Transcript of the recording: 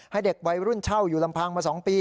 ให้เด็กวัยรุ่นเช่าอยู่ลำพังมา๒ปี